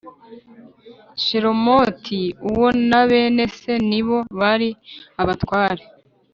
Shelomoti uwo na bene se ni bo bari abatware